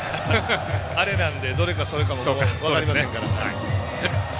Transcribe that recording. アレなんでドレかソレかも分かりませんから。